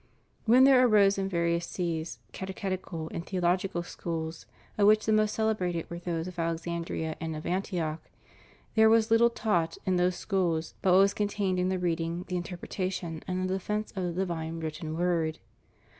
When there arose, in various sees, catechetical and theological schools, of which the most celebrated were those of Alexandria and of Antioch, there was little taught in those schools but what was contained in the reading, the interpretation, and the defence of the divine written word.